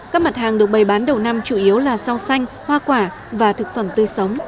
các mặt hàng được bày bán đầu năm chủ yếu là rau xanh hoa quả và thực phẩm tươi sống